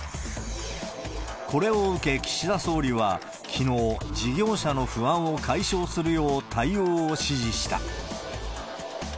これを受け岸田総理は、きのう、事業者の不安を解消するよう対応を指示した。